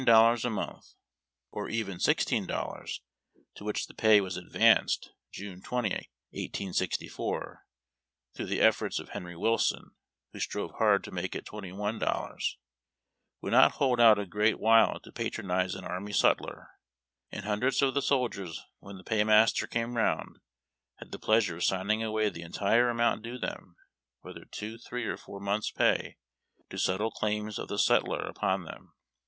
dollars a month (or even sixteen dollars, to which the pay was advanced June 20, 1864, through the efforts of Henry Wilson, who strove hard to make it twenty one dollars) would not hold out a great while to patronize an army sutler, and hundreds of the soldiers when the paymaster came round had the pleasure of signing away the entire amount due them, whether two, three, or four months' pay, to settle claims of the sutler upon them.